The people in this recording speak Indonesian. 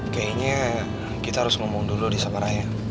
kayaknya kita harus ngomong dulu di sama raya